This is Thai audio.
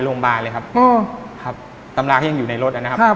เราก็